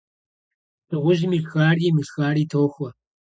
Дыгъужьым ишхари имышхари тохуэ.